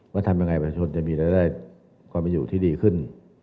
ว่าทำยังไงประชุนจะมีรายได้ความอยู่ที่ดีขึ้น